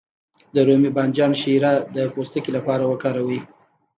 د رومي بانجان شیره د پوستکي لپاره وکاروئ